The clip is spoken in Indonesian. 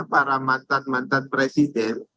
para mantan mantan presiden